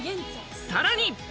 さらに。